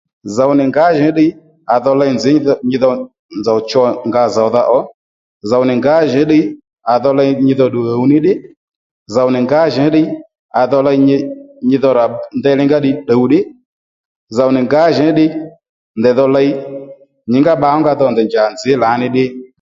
Zòw nì ngǎjìní ddiy à dho ley nzǐ nyidho nzòw cho nga zòwdha ó zòw nì ngǎjìní ddiy à dho ley nyi dho ddù ɦǔw ní ddí zòw nì ngǎjìní ddiy à dho ley nyi dho ra ndeyli ngá ddiy tdùw ddí zòw nì ngǎjìní ddiy ndèy dho ley nyǐngá bba kàó nga dho ndèy njà nzǐ lǎní ddí